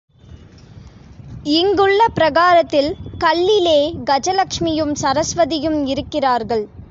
இங்குள்ள பிரகாரத்தில் கல்லிலே கஜலக்ஷ்மியும், சரஸ்வதியும் இருக்கிறார்கள்.